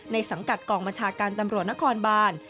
สังกัดกองบัญชาการตำรวจนครบาน